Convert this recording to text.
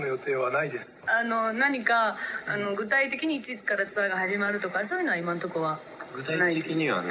「あの何か具体的にいついつからツアーが始まるとかそういうのは今のとこは？」。